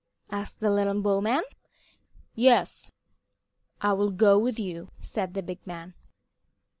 asked the little bowman. "Yes, I will go with you," said the big man.